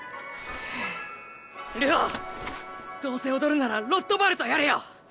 流鶯どうせ踊るならロットバルトやれよ。